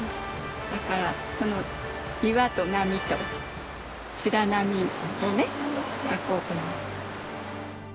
だからこの岩と波と白波をね描こうと思って。